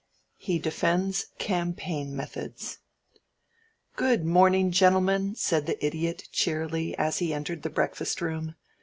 XIV HE DEFENDS CAMPAIGN METHODS "Good morning, gentlemen," said the Idiot, cheerily, as he entered the breakfast room.